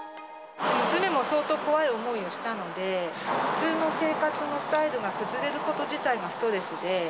娘も相当、怖い思いをしたので、普通の生活のスタイルが崩れること自体がストレスで。